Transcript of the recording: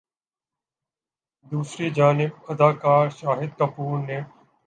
دوسری جانب اداکار شاہد کپور نے